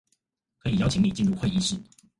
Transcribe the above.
可以邀請你進入會議室